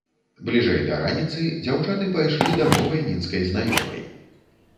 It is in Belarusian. Бліжэй да раніцы дзяўчаты пайшлі да новай мінскай знаёмай.